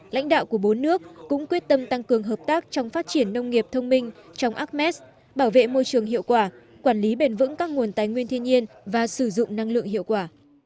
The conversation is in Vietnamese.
lãnh đạo của bốn nước cũng quyết tâm tăng cường hợp tác trong phát triển nông nghiệp thông minh trong ames bảo vệ môi trường hiệu quả quản lý bền vững các nguồn tài nguyên thiên nhiên và sử dụng năng lượng hiệu quả